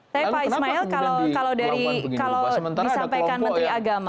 tapi pak ismail kalau disampaikan menteri agama